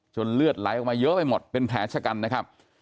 เลือดไหลออกมาเยอะไปหมดเป็นแผลชะกันนะครับ